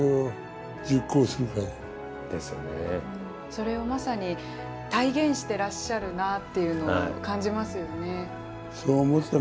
それを、まさに体現してらっしゃるなっていうのを感じますよね。